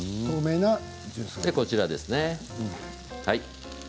こちらですね。